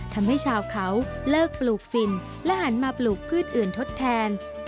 ทำให้ชาวเขาเลิกปลูกฝิ่นและหันมาปลูกพืชอื่นทดแทน